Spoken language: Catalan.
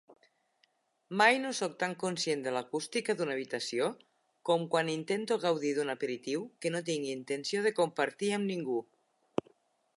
Mai no soc tan conscient de l'acústica d'una habitació com quan intento gaudir d'un aperitiu que no tinc intenció de compartir amb ningú.